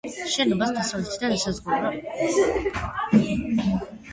შენობას დასავლეთიდან ესაზღვრება იაბლოკოვის სავაჭრო სახლი.